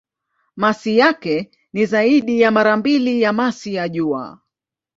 Masi yake ni zaidi ya mara mbili ya masi ya Jua.